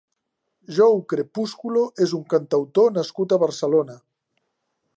Joe Crepúsculo és un cantautor nascut a Barcelona.